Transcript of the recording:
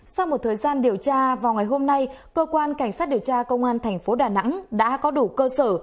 sau một thời gian điều tra vào ngày hôm nay cơ quan cảnh sát điều tra công an thành phố đà nẵng đã có đủ cơ sở